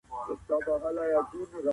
علم حاصلول د فرد د ژوند لپاره مهم دی.